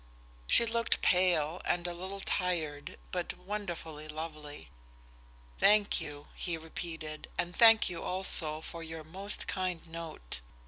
She looked pale and a little tired, but wonderfully lovely. "Thank you," he repeated, "and thank you also for your most kind note."